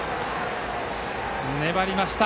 粘りました。